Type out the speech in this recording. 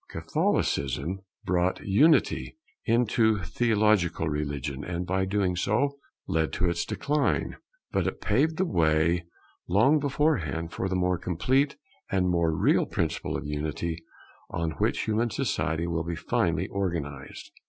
Catholicism brought unity into theological religion, and by doing so, led to its decline; but it paved the way long beforehand for the more complete and more real principle of unity on which human society will be finally organized.